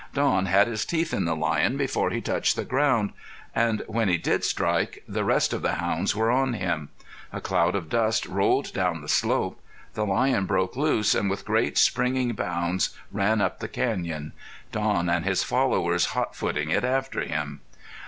Don had his teeth in the lion before he touched the ground, and when he did strike the rest of the hounds were on him. A cloud of dust rolled down the slope. The lion broke loose and with great, springy bounds ran up the canyon, Don and his followers hot footing it after him.